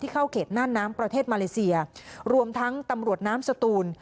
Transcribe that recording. เข้าเขตน่านน้ำประเทศมาเลเซียรวมทั้งตำรวจน้ำสตูน